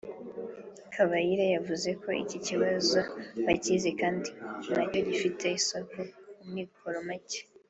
Kabayire yavuze ko iki kibazo bakizi kandi na cyo gifite isoko ku mikoro make